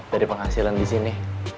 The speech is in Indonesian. dari penghasilan di sini